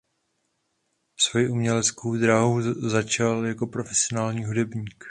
Svoji uměleckou dráhu začal jako profesionální hudebník.